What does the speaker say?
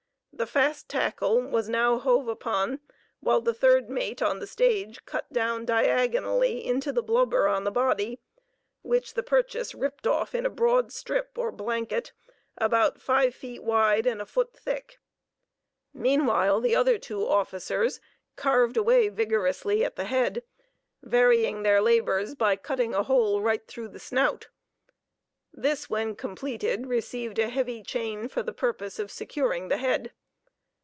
The fast tackle was now hove upon while the third mate on the stage cut down diagonally into the blubber on the body, which the purchase ripped off in a broad strip or "blanket" about five feet wide and a foot thick. Meanwhile the other two officers carved away vigorously at the head, varying their labors by cutting a hole right through the snout. This when completed received a heavy chain for the purpose of securing the head.